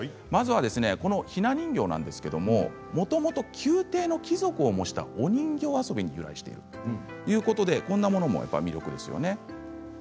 まずはこのひな人形なんですがもともと宮廷の貴族を模したお人形遊びに由来しているということでこんなものも魅力ですよね。